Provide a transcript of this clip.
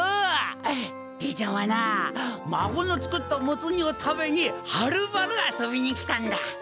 じいちゃんはな孫の作ったモツ煮を食べにはるばる遊びに来たんだ。